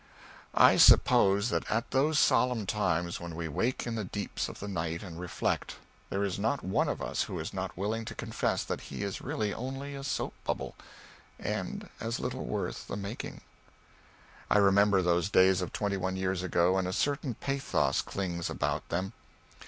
I suppose that at those solemn times when we wake in the deeps of the night and reflect, there is not one of us who is not willing to confess that he is really only a soap bubble, and as little worth the making. I remember those days of twenty one years ago, and a certain pathos clings about them.